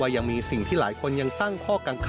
การพบกันในวันนี้ปิดท้ายด้วยการร่วมรับประทานอาหารค่ำร่วมกัน